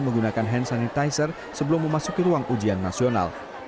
menggunakan hand sanitizer sebelum memasuki ruang ujian nasional